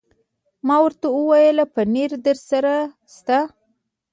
ما ورته وویل: پنیر درسره شته؟